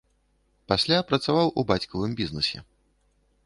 Пасля працаваў у бацькавым бізнэсе.